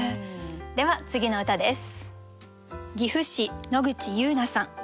では次の歌です。